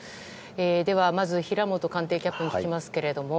ではまず平本官邸キャップに聞きます。